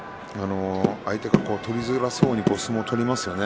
相手が取りづらそうに相撲を取りますよね。